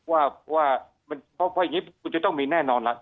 เพราะอย่างนี้มันจะต้องมีแน่นอนแล้ว